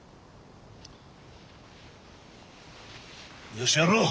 よしやろう。